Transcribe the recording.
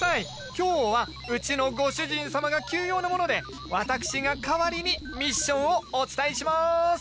今日はうちのご主人様が急用なもので私が代わりにミッションをお伝えします！